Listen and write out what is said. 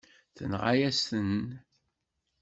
Tenɣa-yasent-ten.